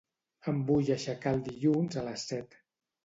Em vull aixecar el dilluns a les set.